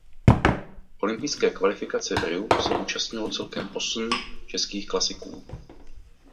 Olympijské kvalifikace v Riu se účastnilo celkem osm českých klasiků.